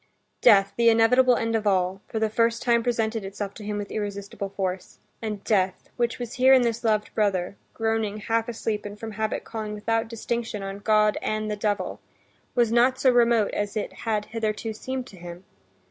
Death, the inevitable end of all, for the first time presented itself to him with irresistible force. And death, which was here in this loved brother, groaning half asleep and from habit calling without distinction on God and the devil, was not so remote as it had hitherto seemed to him.